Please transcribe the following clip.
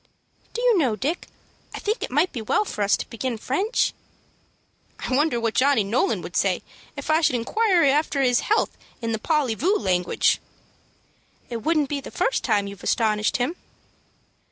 "Do you know, Dick, I think it might be well for us to begin French?" "I wonder what Johnny Nolan would say if I should inquire after his health in the polly voo language?" "It wouldn't be the first time you have astonished him."